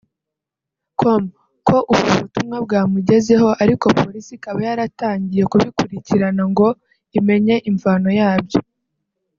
com ko ubu butumwa bwamugezeho ariko Polisi ikaba yaratangiye kubikurikirana ngo imenye imvano yabyo